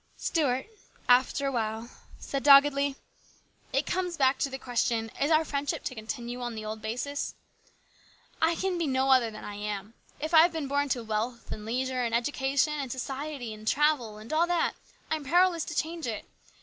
Stuart after awhile said doggedly :" It comes back to the question, Is our friendship to continue on the old basis ? I can be no other than I am. If I have been born to wealth, and leisure, and education, and society, and travel, and all that, I am powerless to change it.